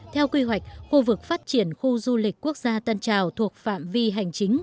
theo quy hoạch khu vực phát triển khu du lịch quốc gia tân trào thuộc phạm vi hành chính